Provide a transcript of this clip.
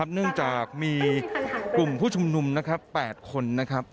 เนื่องจากมีกลุ่มผู้ชมนุม๘คน